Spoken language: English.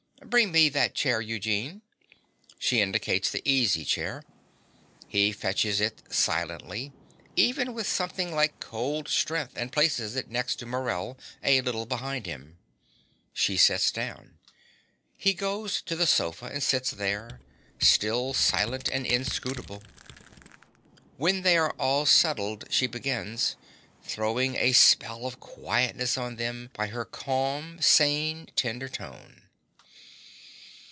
Bring me that chair, Eugene. (She indicates the easy chair. He fetches it silently, even with something like cold strength, and places it next Morell, a little behind him. She sits down. He goes to the sofa and sits there, still silent and inscrutable. When they are all settled she begins, throwing a spell of quietness on them by her calm, sane, tender tone.)